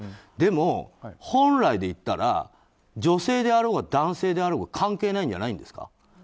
でも本来で言ったら女性であろうが男性であろうが関係ないんじゃないですか。